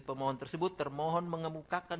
pemohon tersebut termohon mengemukakan